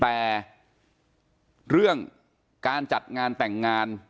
แต่เรื่องการจัดงานแต่งงาน